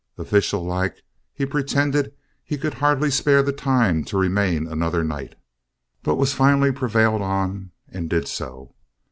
Official like, he pretended he could hardly spare the time to remain another night, but was finally prevailed on and did so.